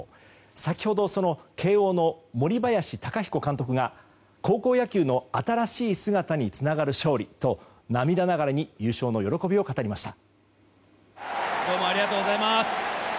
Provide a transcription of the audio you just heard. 先程、慶応の森林貴彦監督が高校野球の新しい姿につながる勝利と涙ながらに優勝の喜びを語りました。